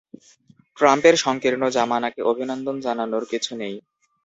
ট্রাম্পের সংকীর্ণ জামানাকে অভিনন্দন জানানোর কিছু নেই।